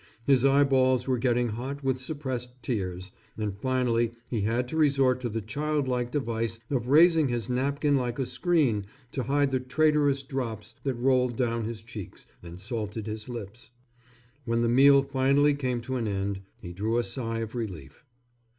His eyeballs were getting hot with suppressed tears, and finally he had to resort to the childlike device of raising his napkin like a screen to hide the traitorous drops that rolled down his cheeks and salted his lips. When the meal finally came to an end, he drew a sigh of relief.